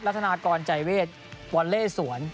ลัฒนากรใจเวชวอลเลสวน